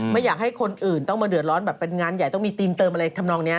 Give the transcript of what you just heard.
ไม่อยากให้คนอื่นต้องมาเดือดร้อนแบบเป็นงานใหญ่ต้องมีธีมเติมอะไรทำนองนี้